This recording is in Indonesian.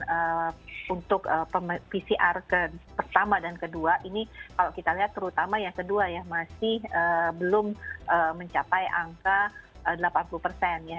dan untuk pcr pertama dan kedua ini kalau kita lihat terutama yang kedua ya masih belum mencapai angka delapan puluh persen ya